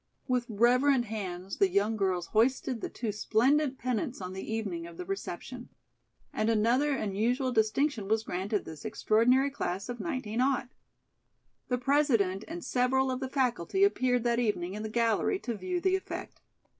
With reverent hands the young girls hoisted the two splendid pennants on the evening of the reception. And another unusual distinction was granted this extraordinary class of 19 . The President and several of the faculty appeared that evening in the gallery to view the effect.